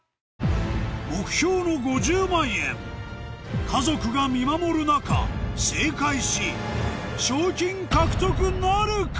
目標の５０万円家族が見守る中正解し賞金獲得なるか？